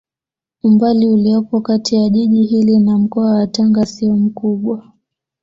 Umbali uliopo kati ya jiji hili na mkoa wa Tanga sio mkubwa